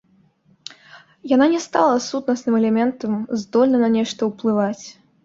Яна не стала сутнасным элементам, здольным на нешта ўплываць.